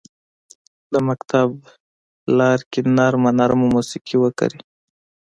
د مکتب لارکې نرمه، نرمه موسیقي وکري